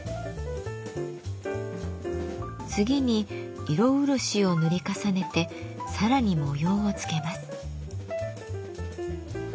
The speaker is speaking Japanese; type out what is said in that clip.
次に色漆を塗り重ねてさらに模様をつけます。